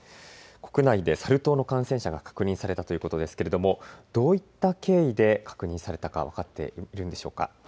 国内でサル痘の感染者が確認されたということですけれどもどういった経緯で確認されたのでしょうか。